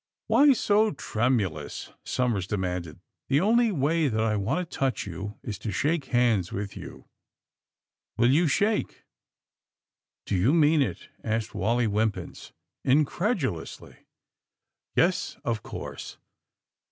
^^Why so tremulous!" Somers demanded. The only way that I want to touch you is to Bhake hands with you. Will you shake?" Do you mean it?" asked Wally Wimpins incredulously. Yes, of course."